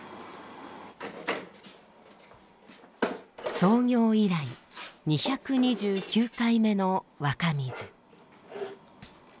創業以来２２９回目の若水。